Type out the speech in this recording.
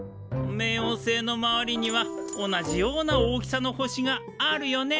冥王星の周りには同じような大きさの星があるよね！